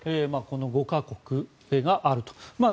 この５か国があると。